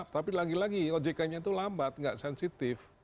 tapi lagi lagi ojk nya itu lambat nggak sensitif